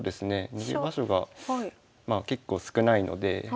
逃げ場所がまあ結構少ないので。